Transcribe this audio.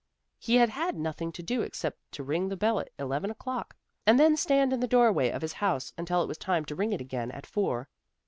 He had had nothing to do except to ring the bell at eleven o'clock, and then stand in the door way of his house until it was time to ring it again at four.